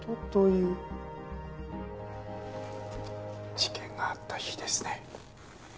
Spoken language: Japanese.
事件があった日ですね。